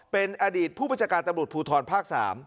เป็นอดีตผู้บัญชาการตำรวจภูทรภาค๓